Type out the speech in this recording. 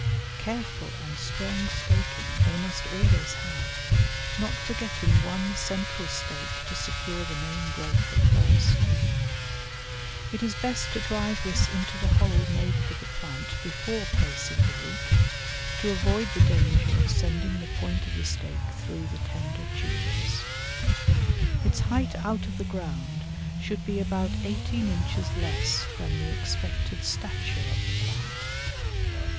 Careful and strong staking they must always have, not forgetting one central stake to secure the main growth at first. It is best to drive this into the hole made for the plant before placing the root, to avoid the danger of sending the point of the stake through the tender tubers. Its height out of the ground should be about eighteen inches less than the expected stature of the plant.